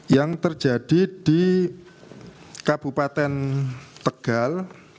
yang terjadi di kabupaten tegal